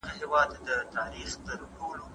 ژوي یوازې د فزیکي اړتیا له امله غږ کوي.